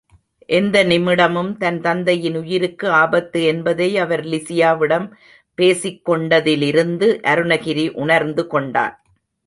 எந்த நிமிடமும் தன் தந்தையின் உயிருக்கு ஆபத்து என்பதை அவர் லிஸியாவிடம் பேசிக் கொண்டதிலிருந்து அருணகிரி உணர்ந்து கொண்டான்.